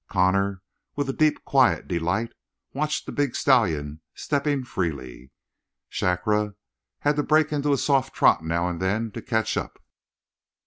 Connor, with a deep, quiet delight, watched the big stallion stepping freely. Shakra had to break into a soft trot now and then to catch up.